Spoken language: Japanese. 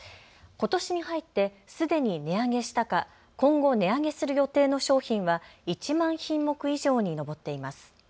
ことしに入ってすでに値上げしたか今後、値上げする予定の商品は１万品目以上に上っています。